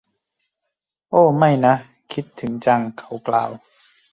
โอ้ ไม่นะ คิดถึงจัง เขากล่าว